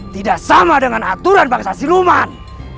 tidak sama dengan aturan bangsa siluman